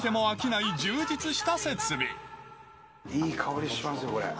ラストは、いい香りしますよ、これ。